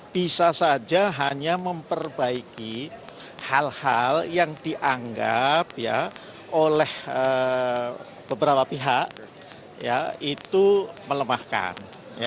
bisa saja hanya memperbaiki hal hal yang dianggap oleh beberapa pihak itu melemahkan